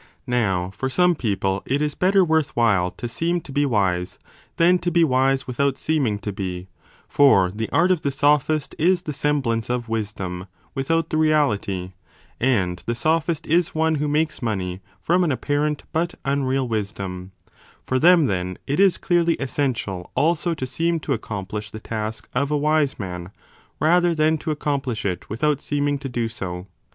Now for some people it is 20 better worth while to seem to be wise, than to be wise with out seeming to be (for the art of the sophist is the sem blance of wisdom without the reality, and the sophist is one who makes money from an apparent but unreal wisdom) ; for them, then, it is clearly essential also to seem to accom plish the task of a wise man rather than to accomplish it without seeming to do so.